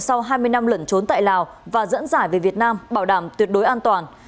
sau hai mươi năm lẩn trốn tại lào và dẫn giải về việt nam bảo đảm tuyệt đối an toàn